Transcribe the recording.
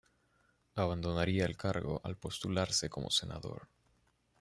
Abandonaría el cargo al postularse como senador.